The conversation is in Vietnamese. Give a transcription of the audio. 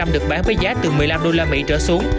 bảy mươi năm được bán với giá từ một mươi năm usd trở xuống